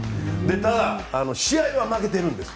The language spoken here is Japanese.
ただ試合は負けてるんです。